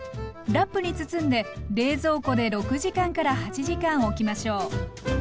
ラップに包んで冷蔵庫で６時間から８時間おきましょう。